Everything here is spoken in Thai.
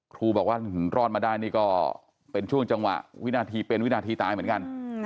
ครูบอกว่ารอดมาได้นี่ก็เป็นช่วงจังหวะวินาทีเป็นวินาทีตายเหมือนกัน